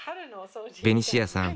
ベニシアさん